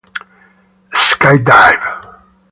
Skydive!